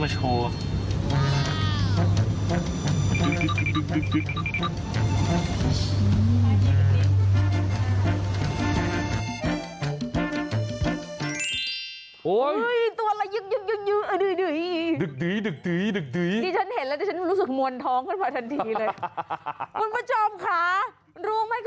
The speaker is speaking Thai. โหเพิ่งมาโชว์